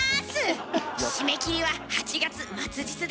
締め切りは８月末日です。